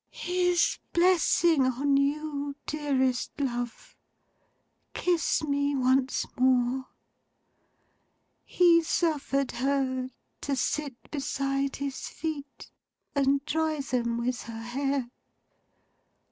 'His blessing on you, dearest love. Kiss me once more! He suffered her to sit beside His feet, and dry them with her hair.